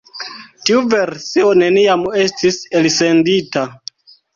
Tiu versio neniam estis elsendita.